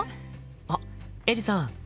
あっエリさん